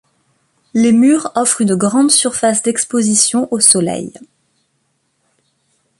Les murs offrent une grande surface d'exposition au soleil.